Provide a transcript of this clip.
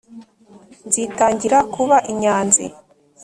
Nzitangira kuba inyanzi